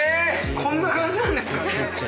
こんな感じなんですか！